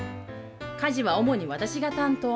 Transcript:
家事は主に私が担当。